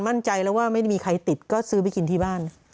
มั่นใจแล้วว่าไม่ได้มีใครติดก็ซื้อไปกินที่บ้าน